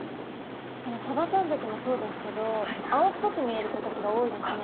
サバちゃんたちもそうですけど青っぽく見える子たちが多いですね。